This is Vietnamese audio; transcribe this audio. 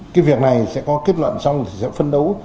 cái việc này sẽ có kết luận xong sẽ phân đấu